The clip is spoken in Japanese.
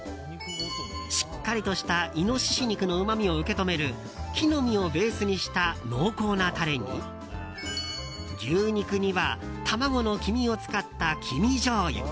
しっかりとしたイノシシ肉のうまみを受け止める木の実をベースにした濃厚なタレに牛肉には卵の黄身を使った黄身じょうゆ。